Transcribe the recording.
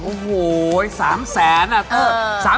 โอ้โห๓แสนอ่ะ